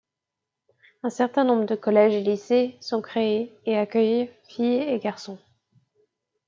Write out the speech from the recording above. Un certain nombre de collèges et lycées sont créés et accueillent filles et garçons.